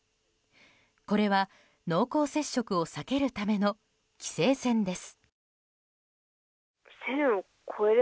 これは濃厚接触を避けるための規制線です。